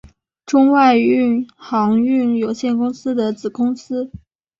中外运航运有限公司的子公司。